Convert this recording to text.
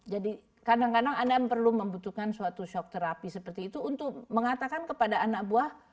jadi kadang kadang anda perlu membutuhkan suatu shock therapy seperti itu untuk mengatakan kepada anak buah